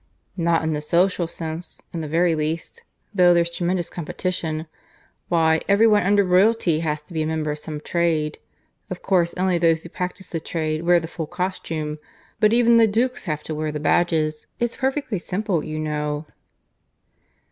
"Not in the social sense, in the very least, though there's tremendous competition. Why, every one under Royalty has to be a member of some trade. Of course only those who practise the trade wear the full costume; but even the dukes have to wear the badges. It's perfectly simple, you know."